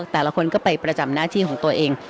แต่ละคนก็ไปประจำหน้าที่ของตัวเอง